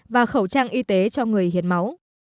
và khẩu trang y tế cho người hiến máu